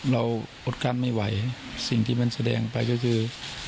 อดกั้นไม่ไหวสิ่งที่มันแสดงไปก็คือ